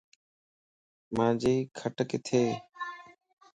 مانجي کٽ ڪٿي؟